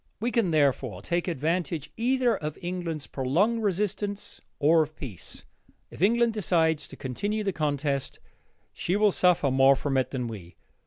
We can, therefore, take advantage either of England's prolonged resistance or of peace. If England decides to continue the contest, she will suffer more from it than we.